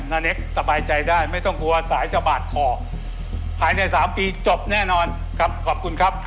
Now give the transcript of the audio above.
นาเน็กสบายใจได้ไม่ต้องกลัวสายสะบาดคอภายใน๓ปีจบแน่นอนครับขอบคุณครับ